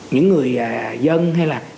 những người dân hay là